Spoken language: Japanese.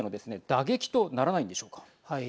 打撃とならないんでしょうか。